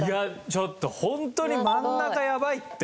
ちょっとホントに真ん中やばいって。